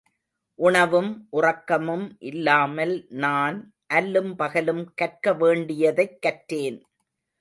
உணவும், உறக்கமும் இல்லாமல் நான், அல்லும் பகலும் கற்க வேண்டியதைக் கற்றேன்.